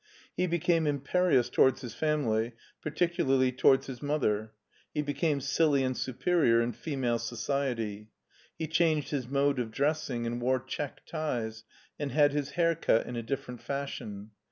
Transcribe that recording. He became imperious towards his family, particularly towards his mother; he became silly and superior in female society. He changed his mode of dressing and wore check ties, and had his hair cut in a different fashion.